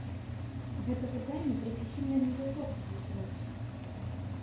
Гэта выданні прафесійна невысокага ўзроўню.